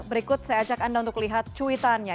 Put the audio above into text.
berikut saya ajak anda untuk lihat cuitannya